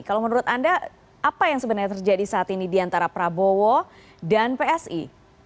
kalau menurut anda apa yang sebenarnya terjadi saat ini di antara prabowo dan psi